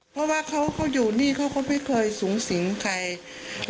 เพราะว่าเขาอยู่นี่เขาก็ไม่เคยสูงสิงใคร